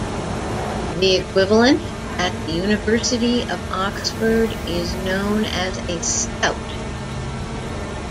The equivalent at the University of Oxford is known as a "scout".